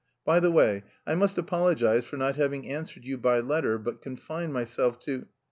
By the way, I must apologise for not having answered you by letter, but confined myself to..."